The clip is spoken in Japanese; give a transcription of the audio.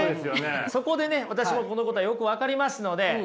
そこでね私もこのことはよく分かりますので今日ね